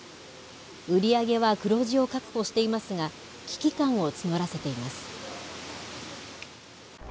売り上げは黒字を確保していますが、危機感を募らせています。